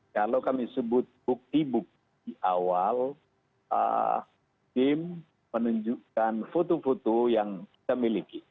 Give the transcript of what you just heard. kalau kami sebut bukti bukti awal tim menunjukkan foto foto yang kita miliki